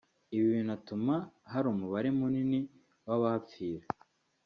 Ibi binatuma hari umubare munini w’abahapfira